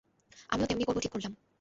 আমিও তেমনি করব ঠিক করলাম।